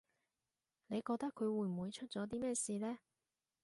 你覺得佢會唔會出咗啲咩事呢